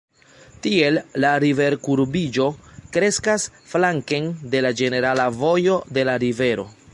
Tiel la river-kurbiĝo kreskas flanken de la ĝenerala vojo de la rivero.